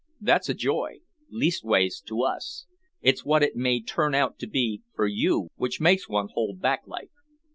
"That's a joy leastways to us. It's what it may turn out to be for you which makes one hold back like."